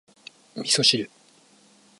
味噌汁